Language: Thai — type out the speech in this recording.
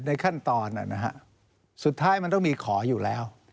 ในขั้นตอนสุดท้ายมันต้องมีขออยู่แล้ว